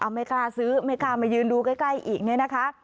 ไม่กล้าซื้อไม่กล้ามายืนดูใกล้อีกเนี่ยนะคะ